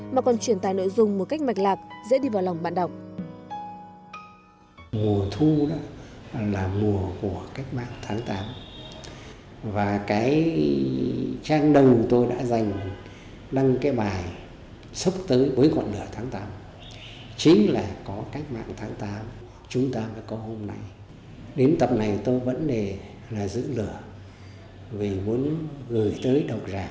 mà còn truyền tài nội dung một cách mạch lạc dễ đi vào lòng bạn đọc